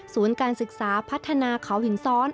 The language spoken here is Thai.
การศึกษาพัฒนาเขาหินซ้อน